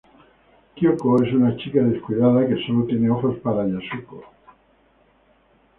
Kyōko es una chica descuidada que solo tiene ojos para Yasuko.